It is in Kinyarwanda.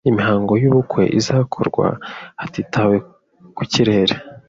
Imihango yubukwe izakorwa hatitawe ku kirere.